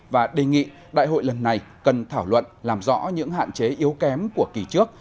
và đề nghị đại hội lần này cần thảo luận làm rõ những hạn chế yếu kém của kỳ trước